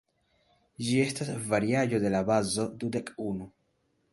Ĝi estas variaĵo de la bazo dudek unu.